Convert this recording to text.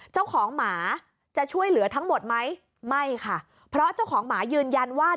เจ้าของหมาจะช่วยเหลือทั้งหมดไหมไม่ค่ะเพราะเจ้าของหมายืนยันว่า